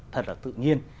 thật là tự nhiên